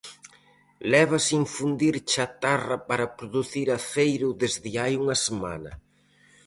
Leva sen fundir chatarra para producir aceiro desde hai unha semana.